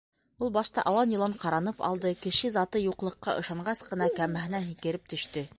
Ул башта алан-йолан ҡаранып алды, кеше заты юҡлыҡҡа ышанғас ҡына, кәмәһенән һикереп төштө.